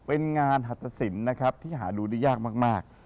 เป็นงานหัตตสินนะครับที่หาดูได้ยากมาก